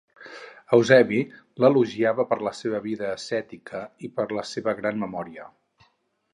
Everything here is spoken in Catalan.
Eusebi l'elogia per la seva vida ascètica i per la seva gran memòria.